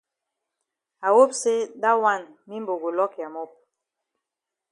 I hope say dat wan mimbo go lock ya mop.